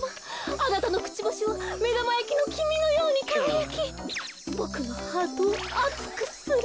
あなたのクチバシはめだまやきのきみのようにかがやきボクのハートをあつくする。